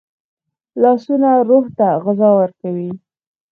لاسونه روح ته غذا ورکوي